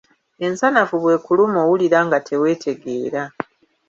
Ensanafu bw'ekuluma owulira nga teweetegeera.